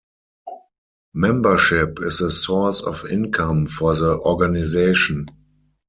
Membership is a source of income for the organisation.